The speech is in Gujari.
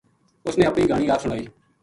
اُس نے اپنی گھانی آپ سنائی